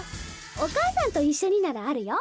お母さんと一緒にならあるよ。